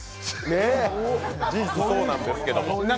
ねえ、事実そうなんですけど。